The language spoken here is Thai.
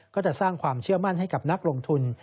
ก็จะสร้างความเชื่อมั่นให้กับนักลงทุน